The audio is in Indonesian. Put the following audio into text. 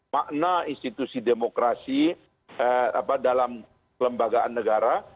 makna institusi demokrasi dalam kelembagaan negara